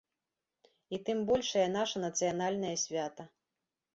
І тым большае наша нацыянальнае свята.